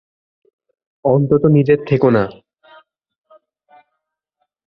অন্তত নিজের থেকে না।